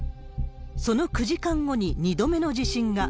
その９時間後に２度目の地震が。